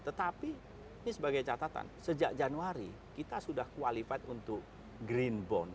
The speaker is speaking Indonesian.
tetapi ini sebagai catatan sejak januari kita sudah qualified untuk green bond